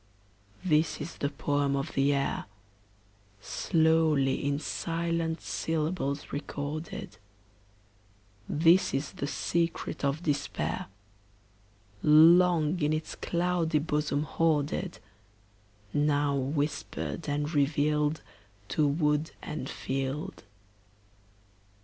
This is the poem of the air, Slowly in silent syllables recorded; This is the secret of despair, Long in its cloudy bosom hoarded, Now whispered and revealed To wood and field.